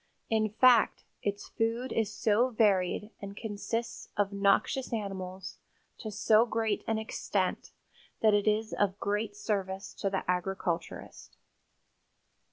In fact, its food is so varied and consists of noxious animals to so great an extent that it is of great service to the agriculturist.